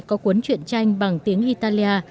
có cuốn truyện tranh bằng tiếng italia